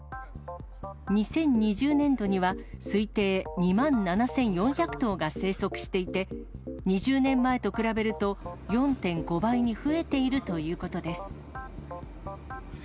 ２０２０年度には推定２万７４００頭が生息していて、２０年前と比べると、４．５倍に増えているということです。